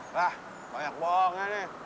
wah banyak bohongnya nih